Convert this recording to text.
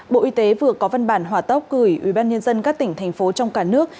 bộ y tế vừa có văn bản hỏa tốc gửi ubnd các tỉnh thành phố trong cả nước